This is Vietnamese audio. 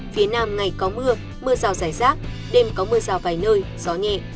phía nam ngày có mưa mưa rào rải rác đêm có mưa rào vài nơi gió nhẹ